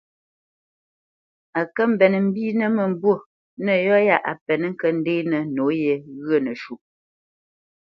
A kə mbenə mbínə mə́mbû nə yɔ ya a penə ŋkə ndenə nǒye ghyə̂ nəsuʼ.